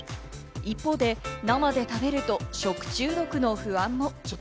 一方で、生で食べると食中毒の不安も。